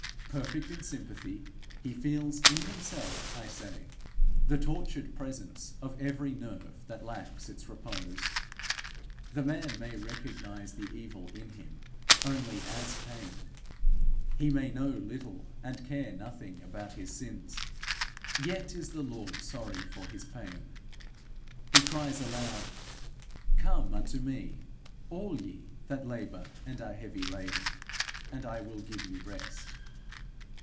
Perfect in sympathy, he feels in himself, I say, the tortured presence of every nerve that lacks its repose. The man may recognize the evil in him only as pain; he may know little and care nothing about his sins; yet is the Lord sorry for his pain. He cries aloud, 'Come unto me, all ye that labour and are heavy laden, and I will give you rest.'